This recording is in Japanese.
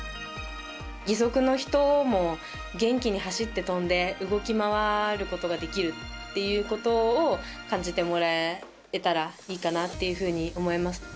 義足の人も、元気に走って跳んで動き回ることができるっていうことを感じてもらえたらいいかなっていうふうに思います。